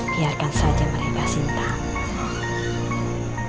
biarkan saja mereka ada orang lain di mustahil island